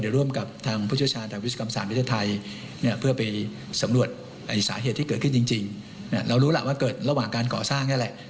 เรารู้แหละว่าเกิดระหว่างการก่อสร้างได้แหละ